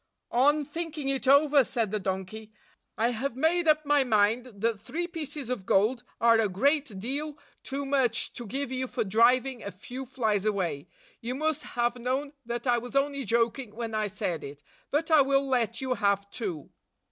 "On thinking it over," said the donkey, "I 69 have made up my mind that three pieces of gold are a great deal too much to give you for driving a few flies away. You must have known that I was only joking when I said it; but I will let you have two."